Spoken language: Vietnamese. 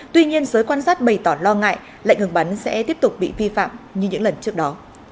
tuy nhiên giới quan sát bày tỏ lo ngại lệnh ngừng bắn sẽ tiếp tục bị vi phạm như những lần trước đó